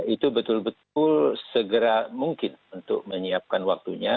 itu betul betul segera mungkin untuk menyiapkan waktunya